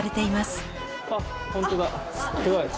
すごい。